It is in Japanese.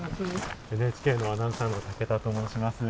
ＮＨＫのアナウンサーの武田と申します。